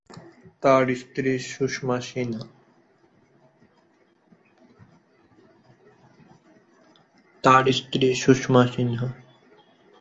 তার স্ত্রী সুষমা সিনহা।